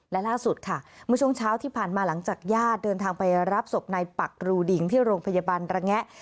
และล่าสุดค่ะเมื่อช่วงเช้าที่ผ่านมาหลังจากญาติเดินทางไปรับศพนายปักรูดิงที่โรงพยาบาลระแงะ